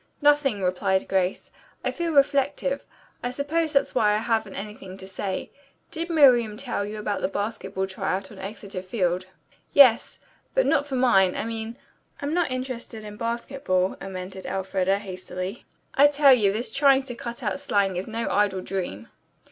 "Nothing," replied Grace. "I feel reflective. I suppose that's why I haven't anything to say. Did Miriam tell you about the basketball try out on Exeter Field?" "Yes; but not for mine I mean I'm not interested in basketball," amended Elfreda, hastily. "I tell you this trying to cut out slang is no idle dream."